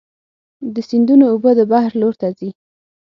د سیندونو اوبه د بحر لور ته ځي.